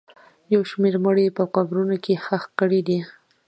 یو شمېر مړي په قبرونو کې ښخ کړي دي